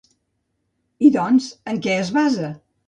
I doncs, en què es basa?